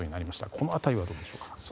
この辺りはどうでしょうか。